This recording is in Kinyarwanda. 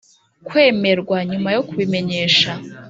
kwemererwa nyuma yo kubimenyesha